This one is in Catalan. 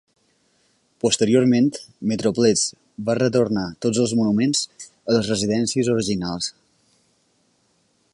Posteriorment, Metroplex va retornar tots els monuments a les residències originals.